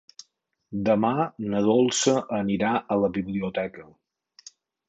Demà na Dolça anirà a la biblioteca.